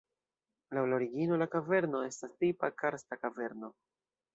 Laŭ la origino la kaverno estas tipa karsta kaverno.